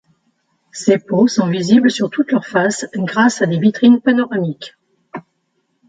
Ces pots sont visibles sur toutes leurs faces grâce à des vitrines panoramiques.